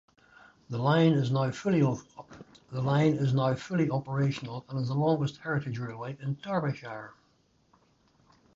The line now is fully operational and is the longest heritage railway in Derbyshire.